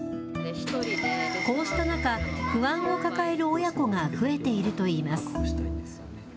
こうした中、不安を抱える親子が増えているといいます。